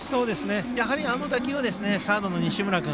やはりあの打球はサードの西村君。